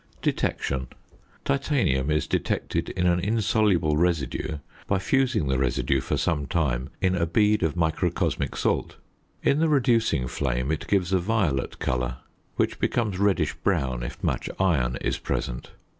~Detection.~ Titanium is detected in an insoluble residue by fusing the residue for some time in a bead of microcosmic salt. In the reducing flame it gives a violet colour, which becomes reddish brown if much iron is present.